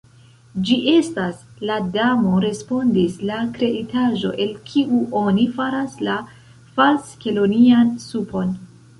"Ĝi estas," la Damo respondis, "la kreitaĵo, el kiu oni faras la falskelonian supon."